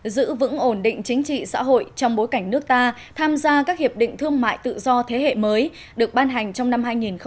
giữ vững ổn định chính trị xã hội trong bối cảnh nước ta tham gia các hiệp định thương mại tự do thế hệ mới được ban hành trong năm hai nghìn một mươi tám